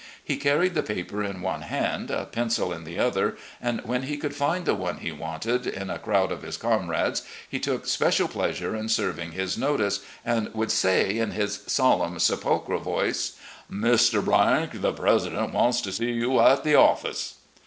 He carried the paper in one hand, a pencil in the other, and when he could find the one he wanted in a crowd of his comrades, he took special pleasure in serving his notice, and would say in his solemn, sepulchral voice : 33 * RECOLLECTIONS OP GENERAL LEE " Mr. , the president wants to see you at the office."